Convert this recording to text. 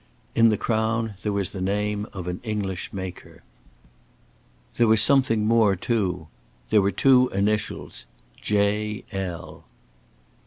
In the crown there was the name of an English maker. There was something more too. There were two initials J.L.